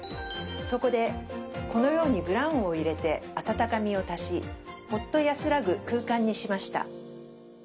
そこでこのようにブラウンを入れて温かみを足しホッとやすらぐ空間にしました。